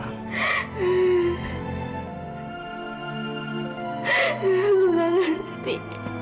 aku tidak mengerti